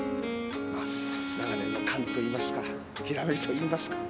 まぁ長年の勘といいますかひらめきといいますか。